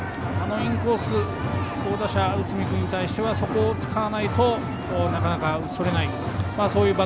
あのインコース好打者の内海君に対してはそこを使わないとなかなか打ち取れない。